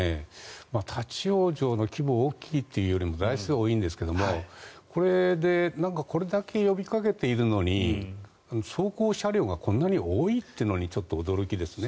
立ち往生の規模が大きいというよりは台数は多いんですけどもこれだけ呼びかけているのに走行車両がこんなに多いというのにちょっと驚きですね。